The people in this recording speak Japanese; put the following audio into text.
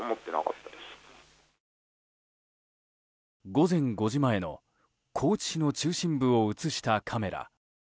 午前５時前の高知市の中心部を映したカメラ。